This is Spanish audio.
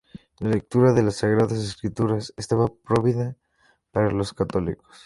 La lectura de las Sagradas Escrituras estaba prohibida para los católicos.